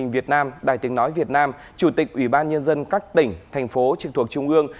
việt nam đài tiếng nói việt nam chủ tịch ubnd các tỉnh thành phố trực thuộc trung ương